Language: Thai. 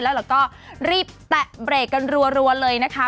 แล้วก็รีบแตะเบรกกันรัวเลยนะคะ